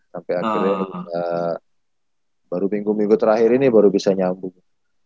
sampai akhirnya baru minggu minggu terakhir ini baru bisa nyambung